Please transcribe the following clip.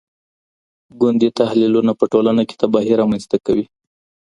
ګوندي تحلیلونه په ټولنه کي تباهي رامنځته کوي.